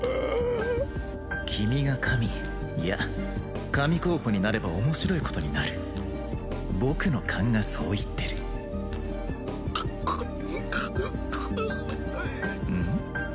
君が神いや神候補になれば面白いことになる僕の勘がそう言ってるあっあっうん？